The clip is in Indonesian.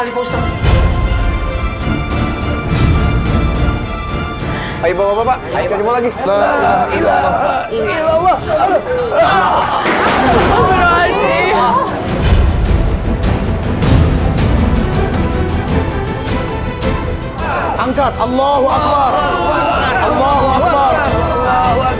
assalamualaikum ustaz mahmud